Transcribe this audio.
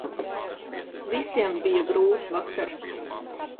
Visiem bija grūts vakars.